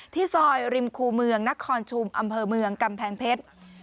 ซอยริมคูเมืองนครชุมอำเภอเมืองกำแพงเพชร